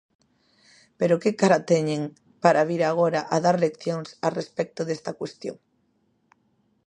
¡Pero que cara teñen para vir agora a dar leccións a respecto desta cuestión!